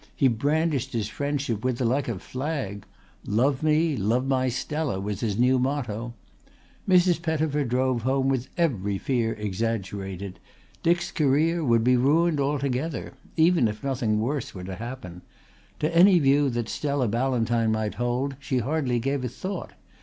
He brandished his friendship with her like a flag. Love me, love my Stella was his new motto. Mrs. Pettifer drove home with every fear exaggerated. Dick's career would be ruined altogether even if nothing worse were to happen. To any view that Stella Ballantyne might hold she hardly gave a thought.